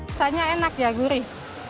rasanya enak ya gurih